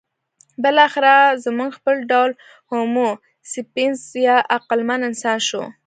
بالاخره زموږ خپل ډول هومو سیپینز یا عقلمن انسان شو.